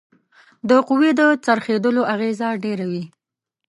د قوې د څرخیدلو اغیزه ډیره وي.